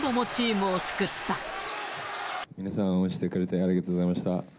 皆さん応援してくれて、ありがとうございました。